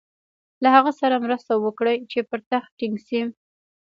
له هغه سره مرسته وکړي چې پر تخت ټینګ شي.